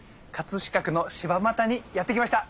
飾区の柴又にやって来ました。